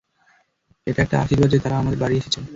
এটা একটা আশীর্বাদ যে তারা আমাদের বাড়ি এসেছে।